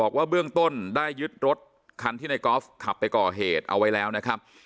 ว่าเบื้องต้นได้ยึดรถคันที่ในกอล์ฟขับไปก่อเหตุเอาไว้แล้วนะครับ